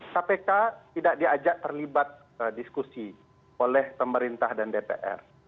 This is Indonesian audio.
kpk tidak diajak terlibat diskusi oleh pemerintah dan dpr